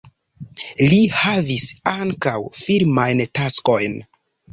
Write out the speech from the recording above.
Li havis ankaŭ filmajn taskojn.